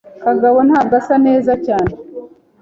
Kagabo ntabwo asa neza cyane.